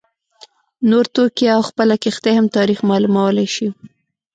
نور توکي او خپله کښتۍ هم تاریخ معلومولای شي